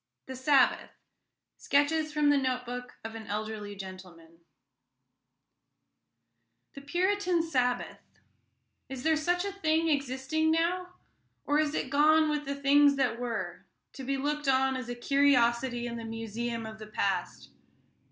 THE SABBATH SKETCHES FROM A NOTE BOOK OF AN ELDERLY GENTLEMAN The Puritan Sabbath is there such a thing existing now, or has it gone with the things that were, to be looked at as a curiosity in the museum of the past?